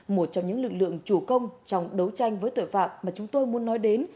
một trong những lực lượng chủ công trong đấu tranh với tội phạm mà chúng tôi muốn nói đến